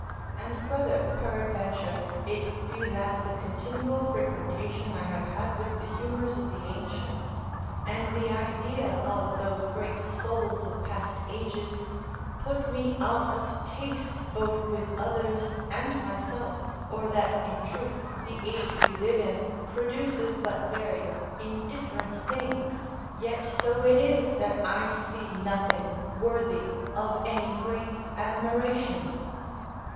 And whether, peradventure, it be that the continual frequentation I have had with the humours of the ancients, and the idea of those great souls of past ages, put me out of taste both with others and myself, or that, in truth, the age we live in produces but very indifferent things, yet so it is that I see nothing worthy of any great admiration.